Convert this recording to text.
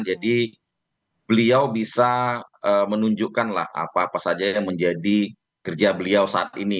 jadi beliau bisa menunjukkan apa saja yang menjadi kerja beliau saat ini